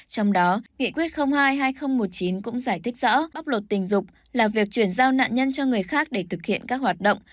trong đó nghị quyết hai hai nghìn một mươi chín cũng giải thích rõ áp lột tình dục là việc chuyển giao nạn nhân cho người khác để thực hiện các hoạt động